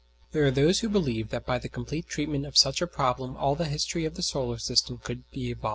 There are those who believe that by the complete treatment of such a problem all the history of the solar system could be evolved.